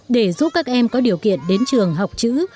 để giúp các em có điều kiện đến trường học chữ